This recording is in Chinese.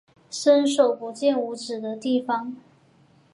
伸手不见五指的地方